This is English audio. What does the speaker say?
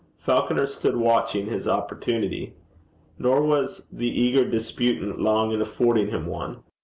Falconer stood watching his opportunity. Nor was the eager disputant long in affording him one.